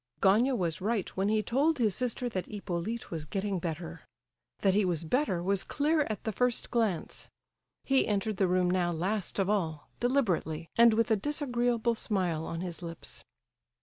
Gania was right when he told his sister that Hippolyte was getting better; that he was better was clear at the first glance. He entered the room now last of all, deliberately, and with a disagreeable smile on his lips.